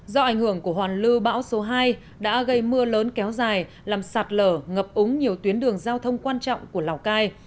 do ảnh hưởng của hoàn lưu bão số hai đã gây mưa lớn kéo dài làm sạt lở ngập úng nhiều tuyến đường giao thông quan trọng của lào cai